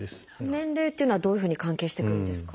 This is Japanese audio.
年齢っていうのはどういうふうに関係してくるんですか？